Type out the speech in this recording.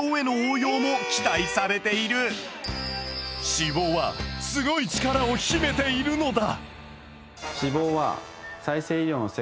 脂肪はすごい力を秘めているのだ。